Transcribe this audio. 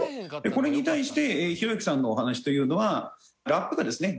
これに対してひろゆきさんのお話というのはラップがですね